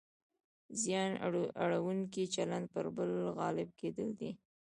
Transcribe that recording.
زیان اړونکی چلند پر بل غالب کېدل دي.